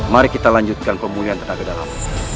mari kita lanjutkan pemulihan tenaga dalam